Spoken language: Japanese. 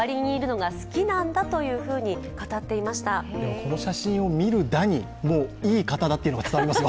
この写真を見るだにいい方だってのが伝わりますよ